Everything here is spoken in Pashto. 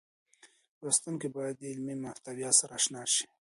لوستونکي بايد د علمي محتوا سره اشنا شي.